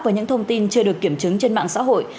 với những thông tin chưa được kiểm chứng trên mạng xã hội